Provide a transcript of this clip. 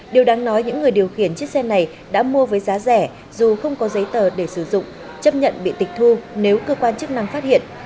điều đáng nói những người điều khiển chiếc xe này đã mua với giá rẻ dù không có giấy tờ để sử dụng chấp nhận bị tịch thu nếu cơ quan chức năng phát hiện